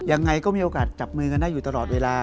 ยังไงก็มีโอกาสจับมือกันได้อยู่ตลอดเวลา